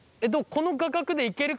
この画角でいけるか？